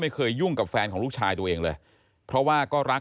ยุ่งกับแฟนของลูกชายตัวเองเลยเพราะว่าก็รัก